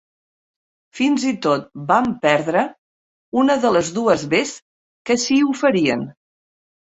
Fins i tot vam perdre una de les dues bes que s'hi oferien.